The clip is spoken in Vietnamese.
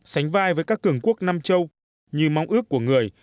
sánh vai với các cường quốc nam châu như mong ước của người